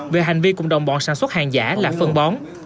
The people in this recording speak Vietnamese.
về hành vi cùng đồng bọn sản xuất hàng giả là phân bón